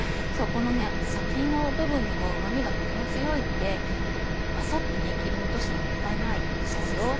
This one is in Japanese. この先の部分にもうま味がとても強いのでバサっと切り落とすともったいないですよ。